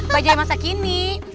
bacai masa kini